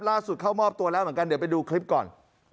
เข้ามอบตัวแล้วเหมือนกันเดี๋ยวไปดูคลิปก่อน